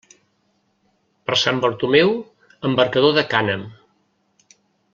Per Sant Bartomeu, embarcador de cànem.